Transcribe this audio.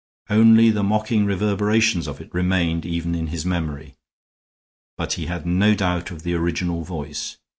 Only the mocking reverberations of it remained even in his memory, but he had no doubt of the original voice.